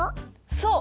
そう！